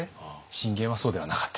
信玄はそうではなかった。